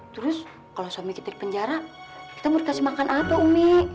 terus kalau suami kita di penjara kita mau kasih makan apa umi